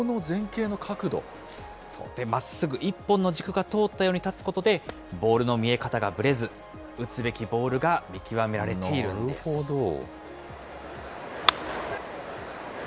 そう、まっすぐ一本の軸が通ったように立つことで、ボールの見え方がぶれず、打つべきボールなるほど。